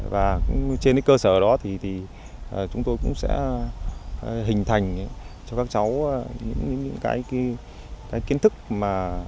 và trên cái cơ sở đó thì chúng tôi cũng sẽ hình thành cho các cháu những cái kiến thức mà